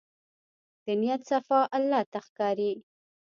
د نیت صفا الله ته ښکاري.